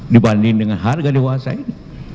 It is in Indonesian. dibanding dengan harga dewasa ini